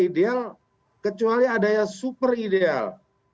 ideal kecuali adanya super ideal